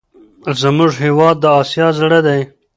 زموږ هېواد د اسیا زړه دی.